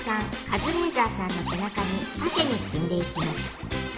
カズレーザーさんの背中にたてにつんでいきます。